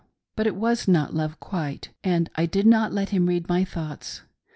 Blit'it was not love quite; and I did not let him read my thoughts.